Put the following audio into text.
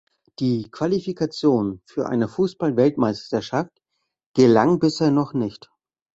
Die Qualifikation für eine Fußball-Weltmeisterschaft gelang bisher noch nicht.